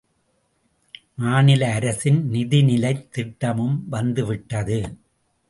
மாநில அரசின் நிதிநிலைத் திட்டமும் வந்து விட்டது.